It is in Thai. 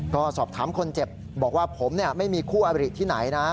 ก็สอบถามคนเจ็บบอกว่าผมไม่มีคู่อบริที่ไหนนะ